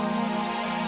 lelah ku menangis